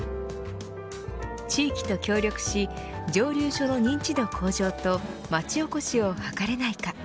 地域と協力し蒸留所の認知度向上と町おこしを図れないか。